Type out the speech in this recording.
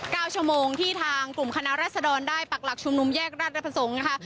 เก้าชั่วโมงที่ทางกลุ่มคณะรัศดรได้ปักหลักชุมนุมแยกราชประสงค์นะคะ